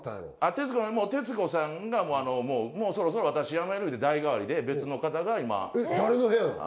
徹子さんがもうもうそろそろ私辞める言うて代替わりで別の方が今えっ誰の部屋なの？